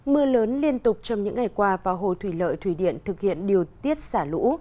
mưa lớn liên tục trong những ngày qua vào hồ thủy lợi thủy điện thực hiện điều tiết xả lũ